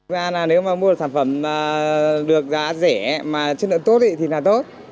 nếu mà mua được sản phẩm được giá rẻ mà chất lượng tốt thì là tốt